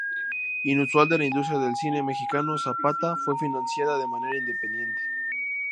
Inusual en la industria del cine mexicano, "Zapata" fue financiada de manera independiente.